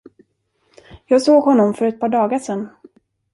Jag såg honom för ett par dagar sen.